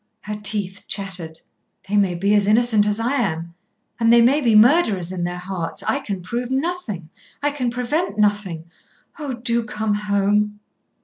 Her teeth chattered. "They may be as innocent as I am. And they may be murderers in their hearts. I can prove nothing, I can prevent nothing. Oh! do come home."